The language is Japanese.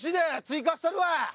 追加したるわ！